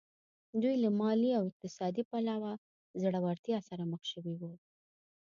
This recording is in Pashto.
دوی له مالي او اقتصادي پلوه ځوړتیا سره مخ شوي وو